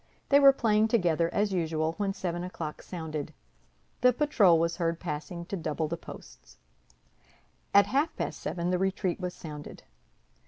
They were playing together, as usual, when seven o'clock sounded; the patrol was heard passing to double the posts. At half past seven the retreat was sounded.